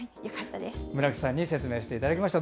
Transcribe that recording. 村木さんに説明していただきました。